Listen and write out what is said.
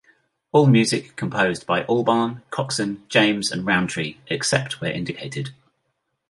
All music composed by Albarn, Coxon, James and Rowntree, except where indicated.